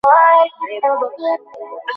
ও অসুস্থ, খুব অসুস্থ।